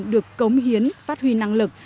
được cống hiến phát huy năng lực